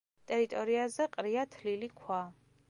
ტერიტორიაზე ყრია თლილი ქვა.